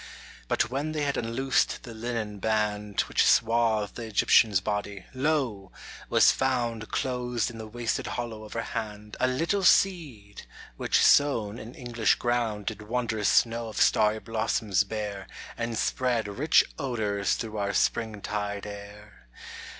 But when they had unloosed the linen band Which swathed the Egyptian's body, — lo! was found Closed in the wasted hollow of her hand A little seed, which sown in English ground Did wondrous snow of starry blossoms bear, And spread rich odors through our springtide air.